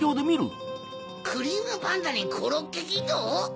クリームパンダにコロッケキッド？